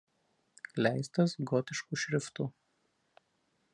Leistas gotišku šriftu.